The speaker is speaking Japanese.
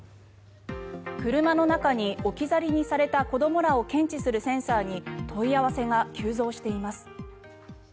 車の中に置き去りにされた子どもらを検知するセンサーに問い合わせが急増しています。